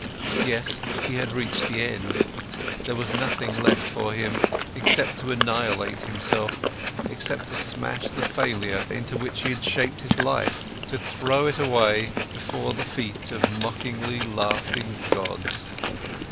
Yes, he had reached the end. There was nothing left for him, except to annihilate himself, except to smash the failure into which he had shaped his life, to throw it away, before the feet of mockingly laughing gods.